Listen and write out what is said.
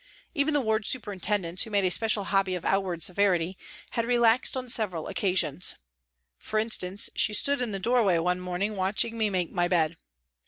Even the ward superintendent, who made a special hobby of outward severity, had relaxed on several " A TRACK TO THE WATER'S EDGE " 159 occasions. For instance, she stood in the doorway one morning watching me make my bed.